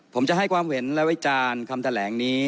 ผมจะให้ความเห็นและวิจารณ์คำแถลงนี้